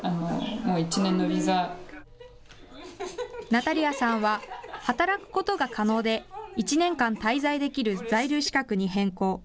ナタリアさんは、働くことが可能で、１年間滞在できる在留資格に変更。